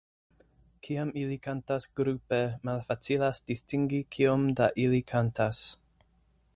Kiam ili kantas grupe, malfacilas distingi kiom da ili kantas.